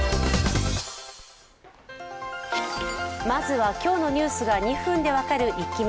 まずは今日のニュースが２分で分かるイッキ見。